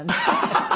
ハハハハ。